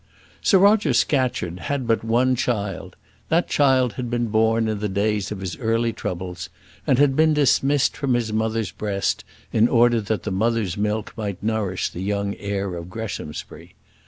Sir Roger Scatcherd had but one child; that child which had been born in the days of his early troubles, and had been dismissed from his mother's breast in order that the mother's milk might nourish the young heir of Greshamsbury.